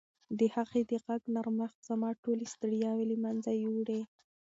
د هغې د غږ نرمښت زما ټولې ستړیاوې له منځه یووړې.